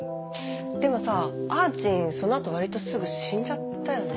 でもさあーちんその後割とすぐ死んじゃったよね？